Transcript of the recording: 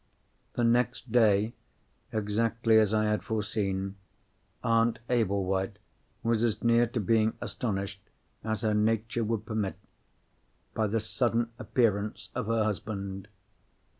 The next day, exactly as I had foreseen, Aunt Ablewhite was as near to being astonished as her nature would permit, by the sudden appearance of her husband.